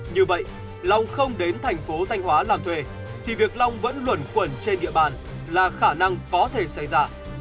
như vậy long không đến thành phố thanh hóa làm thuê thì việc long vẫn luẩn quẩn trên địa bàn là khả năng có thể xảy ra